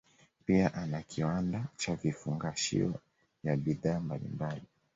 Pia ana kiwanda cha vifungashio vya bidhaa mbalimbali